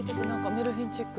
メルヘンチック。